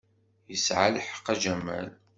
Yesɛa lḥeqq a Jamal.